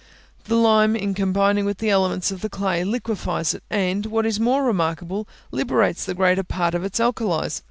The lime, in combining with the elements of the clay, liquifies it; and, what is more remarkable, liberates the greater part of its alkalies.